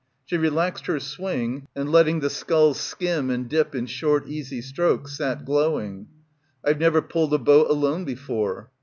She relaxed her swing, and letting the sculls skim and dip in short easy strokes, sat glowing. "Pve never pulled a boat alone before."